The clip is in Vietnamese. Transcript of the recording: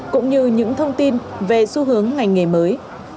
cũng như những thông tin về xu hướng ngành nghề mới